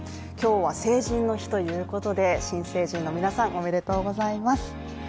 今日は成人の日ということで、新成人の皆さんおめでとうございます